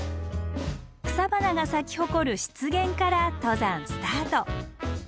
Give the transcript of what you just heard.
草花が咲き誇る湿原から登山スタート。